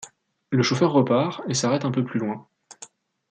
Le chauffeur repart, et s'arrête un peu plus loin.